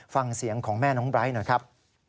ฟังเสียงของแม่น้องไบร์ทหน่อยครับ